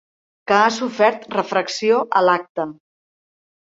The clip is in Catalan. Que ha sofert refracció a l'acte.